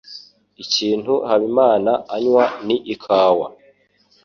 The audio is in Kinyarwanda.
Ikintu Habimana anywa ni ikawa.